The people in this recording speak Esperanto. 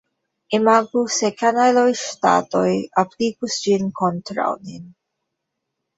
Imagu se kanajloŝtatoj aplikus ĝin kontraŭ nin!